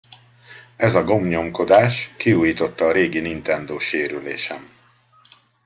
Ez a gombnyomkodás kiújította a régi nintendós sérülésem.